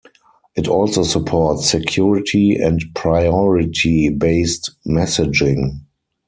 It also supports security and priority based messaging.